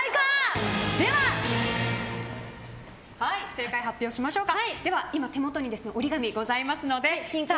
正解を発表しましょうか。